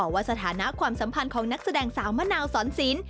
ว่าสถานะความสัมพันธ์ของนักแสดงสาวมะนาวสอนศิลป